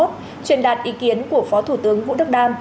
truyền đạt ý kiến của phó thủ tướng vũ đức đam